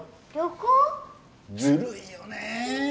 ずるいよね。